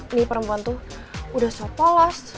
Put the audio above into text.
ini perempuan tuh udah so polos